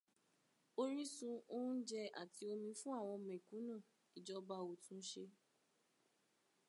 Orísun oúnjẹ àti omi fún àwọn mẹ̀kúnù ìjọba ò tun ṣe.